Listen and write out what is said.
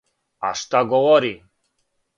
А шта говори?